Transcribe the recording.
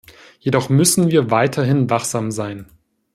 Jedoch müssen wir weiterhin wachsam sein.